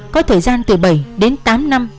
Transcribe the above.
có thời gian từ bảy đến tám năm